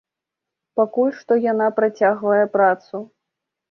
Пакуль што яна працягвае працу.